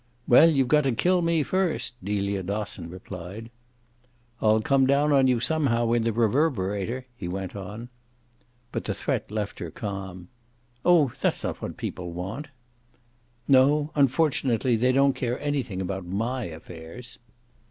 "Well, you've got to kill me first!" Delia Dosson replied. "I'll come down on you somehow in the Reverberator" he went on. But the threat left her calm. "Oh that's not what the people want." "No, unfortunately they don't care anything about MY affairs."